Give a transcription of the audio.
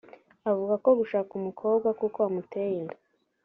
avuga ko gushaka umukobwa kuko wamuteye inda